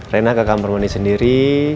rena ke kamar mandi sendiri